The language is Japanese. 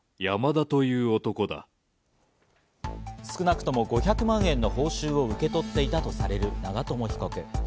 少なくとも５００万円の報酬を受け取っていたとされる長友被告。